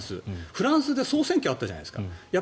フランスで総選挙があったじゃないですか。